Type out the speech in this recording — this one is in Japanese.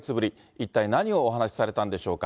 一体何をお話しされたんでしょうか。